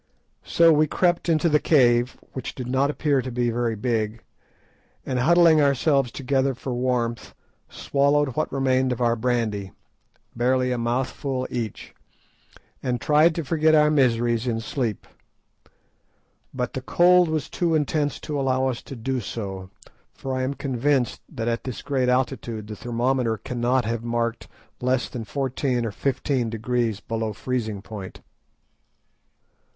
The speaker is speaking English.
So we crept into the cave, which did not appear to be very big, and huddling ourselves together for warmth, swallowed what remained of our brandy—barely a mouthful each—and tried to forget our miseries in sleep. But the cold was too intense to allow us to do so, for I am convinced that at this great altitude the thermometer cannot have marked less than fourteen or fifteen degrees below freezing point.